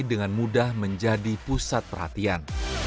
dengan mudah menjadi pusat perhatian